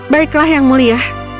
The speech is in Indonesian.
baiklah yang mulia